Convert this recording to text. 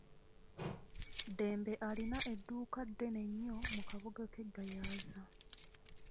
Dembe alina edduuka ddene nnyo mu kabuga ke Gayaza.